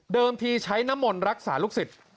ทีใช้น้ำมนต์รักษาลูกศิษย์